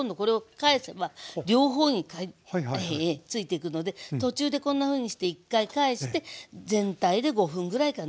両方についていくので途中でこんなふうにして一回返して全体で５分ぐらいかな。